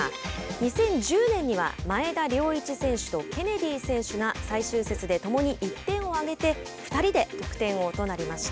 ２０１０年には前田遼一選手とケネディ選手が最終節で共に１点を挙げて２人で得点王となりました。